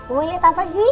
woy liat apa sih